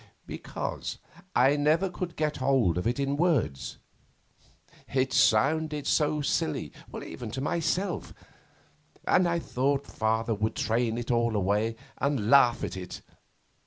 'Because I never could get hold of it in words. It sounded so silly even to myself, and I thought Father would train it all away and laugh at it.